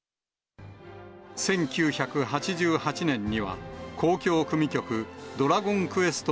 １９８８年には、交響組曲ドラゴンクエスト